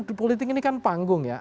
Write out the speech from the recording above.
di politik ini kan panggung ya